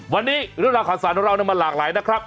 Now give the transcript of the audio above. วันนี้เรื่องราวข่าวสารของเรามันหลากหลายนะครับ